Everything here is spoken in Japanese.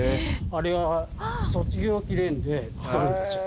あれは卒業記念で作るんですよ。